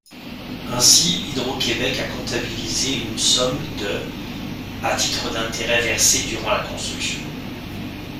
Ainsi, Hydro-Québec a comptabilisé une somme de à titre d'intérêts versés durant la construction.